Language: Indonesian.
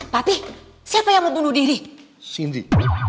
tapi siapa yang mau bunuh diri sindi